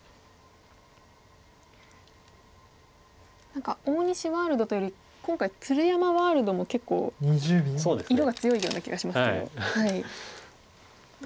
何か大西ワールドというより今回鶴山ワールドも結構色が強いような気がしますけどどうなんでしょう。